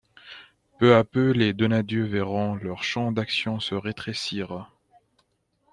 Peu à peu, les Donadieu verront leur champ d'action se rétrécir.